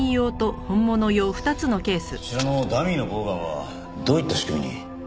こちらのダミーのボウガンはどういった仕組みに？